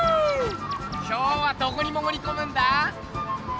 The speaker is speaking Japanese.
今日はどこにもぐりこむんだ？